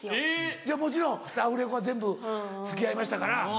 いやもちろんアフレコは全部付き合いましたから。